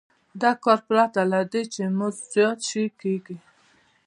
دا کار پرته له دې چې مزد زیات شي کېږي